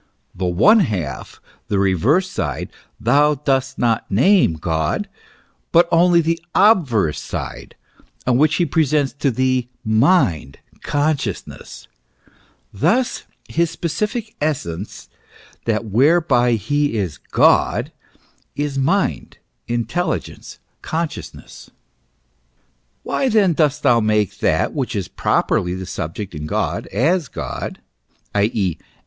The one half, the reverse side, thou dost not name God, but only the obverse side, 011 which he presents to thee mind, consciousness : thus his specific essence, that whereby he is God, is mind, intelligence, con sciousness. Why then dost thou make that which is properly the subject in God as God, i. e.